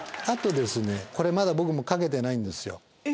あとこれまだ僕も掛けてないんですよ。